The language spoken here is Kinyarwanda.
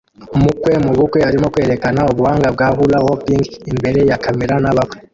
Umukwe mubukwe arimo kwerekana ubuhanga bwa hula-hooping imbere ya kamera nabakwe